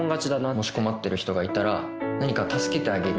もし困ってる人がいたら何か助けてあげるっていう。